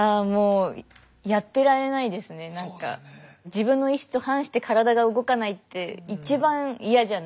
自分の意思と反して体が動かないって一番嫌じゃないですか。